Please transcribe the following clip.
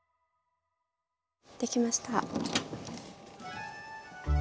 できました。